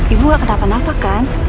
ibu gak kenapa napak kan